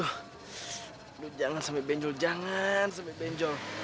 aduh jangan sampe benjol jangan sampe benjol